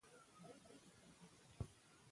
ایوب خان له هراته را رسېږي.